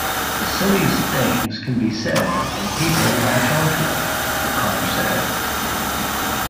"The silliest things can be said and people latch onto it." O'Connor said.